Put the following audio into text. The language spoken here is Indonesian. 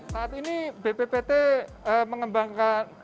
saat ini bppt mengembangkan